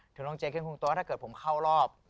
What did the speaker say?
ถึงโรงเจเคียงคุงตัวถ้าเกิดผมเข้ารอบ